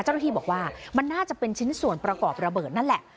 เจ้าหน้าที่บอกว่ามันน่าจะเป็นชิ้นส่วนประกอบระเบิดนั่นแหละ